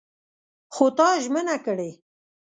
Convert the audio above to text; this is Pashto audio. خو تا ژمنه کړې!